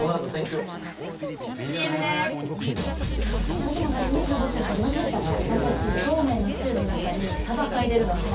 今年も夏メシの募集始まりましたね。